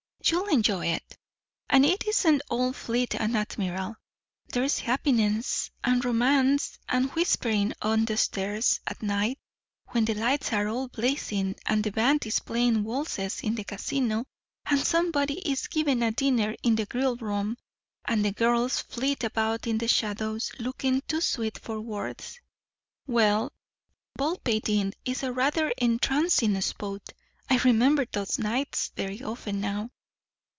"You'll enjoy it. And it isn't all fleet and admiral. There's happiness, and romance, and whispering on the stairs. At night, when the lights are all blazing, and the band is playing waltzes in the casino, and somebody is giving a dinner in the grill room, and the girls flit about in the shadows looking too sweet for words well, Baldpate Inn is a rather entrancing spot. I remember those nights very often now."